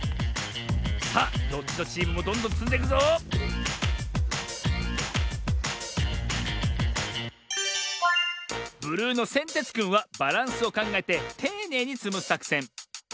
さあどっちのチームもどんどんつんでくぞブルーのせんてつくんはバランスをかんがえてていねいにつむさくせん。